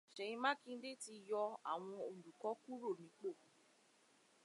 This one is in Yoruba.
Ṣèyí Mákindé ti yọ àwọn olùkọ́ kúrò nípò.